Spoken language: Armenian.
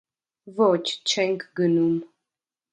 - Ոչ, չենք գնում: